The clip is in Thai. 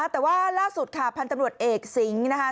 แต่ว่าล่าสุดค่ะพันธุ์ตำรวจเอกสิงห์นะคะ